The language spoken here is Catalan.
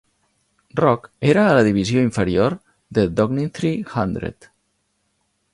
Rock era a la divisió inferior de Doddingtree Hundred.